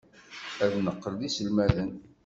Ad neqqel d iselmaden.